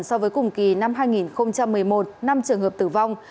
so với cùng kỳ năm hai nghìn một mươi một năm trường hợp tử vong